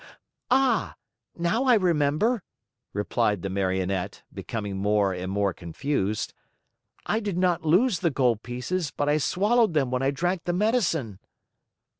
"Ah, now I remember," replied the Marionette, becoming more and more confused. "I did not lose the gold pieces, but I swallowed them when I drank the medicine."